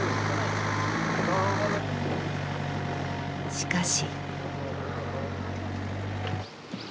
しかし。